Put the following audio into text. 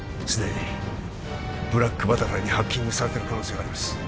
既にブラックバタフライにハッキングされてる可能性があります